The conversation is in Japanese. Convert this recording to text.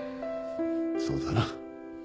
そうだな。